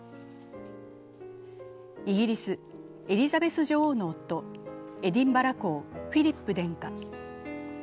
イギリス、エリザベス女王の夫、エディンバラ公フィリップ殿下。